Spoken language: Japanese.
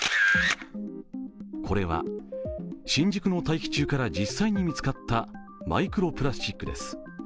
これは新宿の大気中から実際に見つかったマイクロプラスチックです。